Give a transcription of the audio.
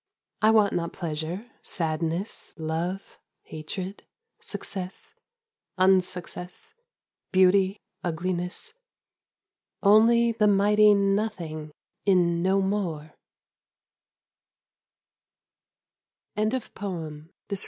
. I want not pleasure, sadness, love, hatred, success, unsuccess, beauty, ugliness — only the mighty Nothing in No More.